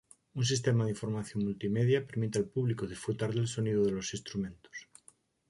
Un sistema de información multimedia permite al público disfrutar del sonido de los instrumentos.